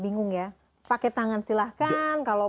bingung ya pakai tangan silahkan kalau